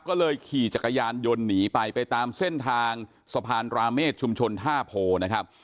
ก็เลยขี่จักรยานยนต์หนีไปไปตามเส้นทางสะพานราเมฆชุมชนท่าโพนะครับ